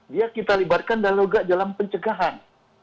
dia kita libatkan dalam pencegahan